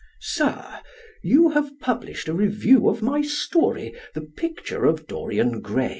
Sir, You have published a review of my story, "The Picture of Dorian Gray."